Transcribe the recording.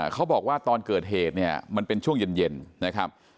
เขาบอกว่าตอนเกิดเหตุเนี่ยมันเป็นช่วงเย็นนะครับ